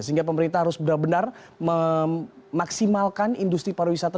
sehingga pemerintah harus benar benar memaksimalkan industri pariwisata